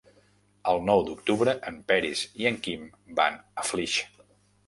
El nou d'octubre en Peris i en Quim van a Flix.